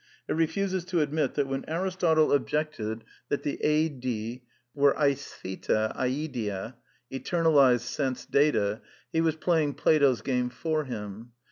It refuses to admit that when Aristotle objected that the aSiy were oarftyTa diSta, eternalized sense data, he was playing Plato's game for him.